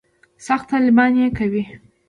سخت طالبان یې کوي.